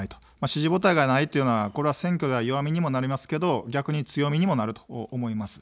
支持母体がないというのは選挙では弱みにもなりますけど逆に強みにもなると思います。